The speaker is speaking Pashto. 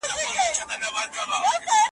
زه دا نه وایم چي `